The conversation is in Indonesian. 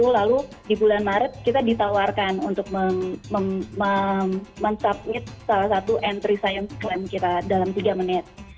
lalu di bulan maret kita ditawarkan untuk mensubmit salah satu entry science klaim kita dalam tiga menit